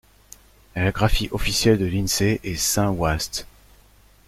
La graphie officielle de l'Insee est Saint-Waast.